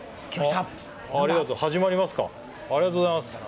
ありがとうございます。